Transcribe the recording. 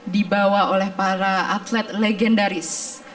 dibawa oleh para atlet legendaris